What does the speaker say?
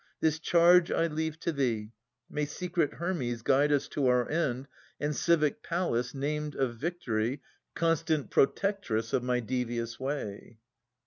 This charge I leave to thee. May secret Hermes guide us to our end. And civic Pallas, named of victory, Constant protectress of my devious way.